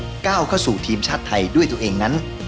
ก้าวเข้าสู่ทีมชาติไทยด้วยตัวเองนั้น